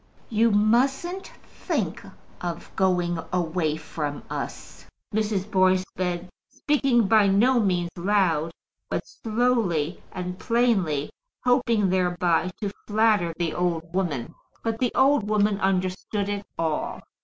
"You mustn't think of going away from us," Mrs. Boyce said, speaking by no means loud, but slowly and plainly, hoping thereby to flatter the old woman. But the old woman understood it all.